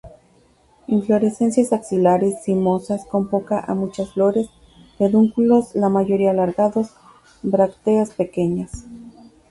Inflorescencias axilares, cimosas, con pocas a muchas flores; pedúnculos la mayoría alargados; brácteas pequeñas.